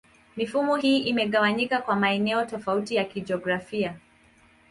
Mifumo hii imegawanyika kwa maeneo tofauti ya kijiografia.